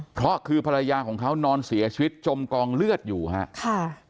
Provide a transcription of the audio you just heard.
เพราะคือภรรยาของเขานอนเสียชีวิตจมกองเลือดอยู่ครับ